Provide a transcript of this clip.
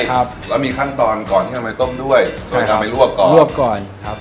ครับแล้วมีขั้นตอนก่อนที่นำไปต้มด้วยช่วยนำไปลวกก่อนลวกก่อนครับ